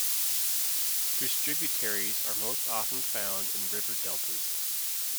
Distributaries are most often found in river deltas.